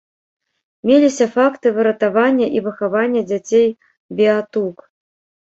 Меліся факты выратавання і выхавання дзяцей-беатук.